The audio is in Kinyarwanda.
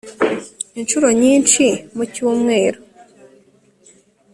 incuro nyinshi mu cyumweru